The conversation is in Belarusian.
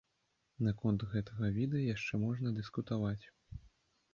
Наконт гэтага відэа яшчэ можна дыскутаваць.